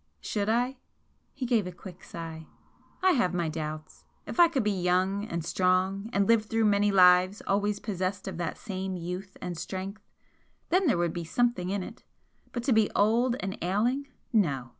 "Should I?" He gave a quick sigh. "I have my doubts! If I could be young and strong and lie through many lives always possessed of that same youth and strength, then there would be something in it but to be old and ailing, no!